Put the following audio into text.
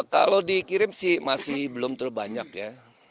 kalau dikirim sih masih belum terlalu banyak ya